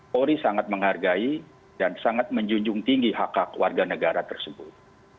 polri sangat menghargai dan sangat menjunjung tinggi hak hak warga negara tersebut